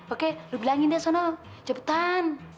oke lu bilangin deh sana cepetan